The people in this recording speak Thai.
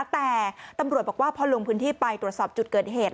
แต่ตำรวจบอกว่าพอลงพื้นที่ไปตรวจสอบจุดเกิดเหตุ